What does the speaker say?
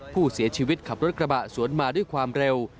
ผู้เสียชีวิตขับรถกระบะสวนมาด้วยความเร็ว